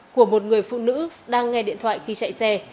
của một người phụ nữ đang nghe điện thoại khi chạy xe